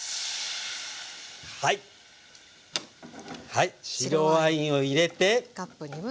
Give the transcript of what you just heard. はい白ワインを入れて。